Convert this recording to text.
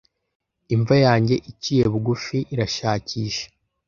Imva yanjye iciye bugufi irashakisha!